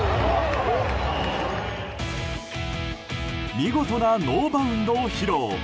見事なノーバウンドを披露。